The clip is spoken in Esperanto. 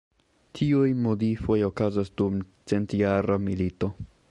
Tiuj modifoj okazas dum Centjara milito.